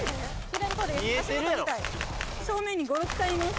やろ正面に５６体います